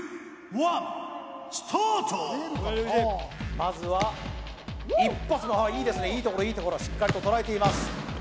まずは一発、いいところいいところしっかりと捉えています。